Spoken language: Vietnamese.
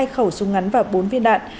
hai khẩu súng ngắn và bốn viên đạn